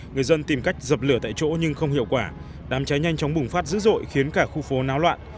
người dân tìm cách dập lửa tại chỗ nhưng không hiệu quả đám cháy nhanh chóng bùng phát dữ dội khiến cả khu phố náo loạn